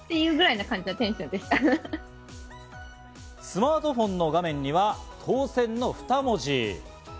スマートフォンの画面には、「当選」の２文字。